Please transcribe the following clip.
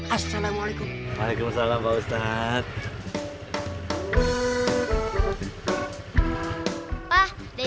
assalamualaikum waalaikumsalam dette christ